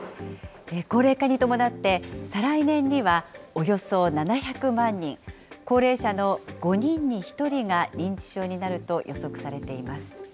高齢化に伴って、再来年にはおよそ７００万人、高齢者の５人に１人が認知症になると予測されています。